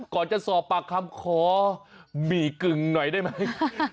ก่อนจะสอบปากคำขอหมี่กึ่งหน่อยได้ไหม